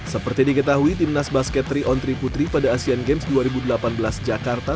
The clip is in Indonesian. seperti diketahui timnas basket tiga on tiga putri pada asian games dua ribu delapan belas jakarta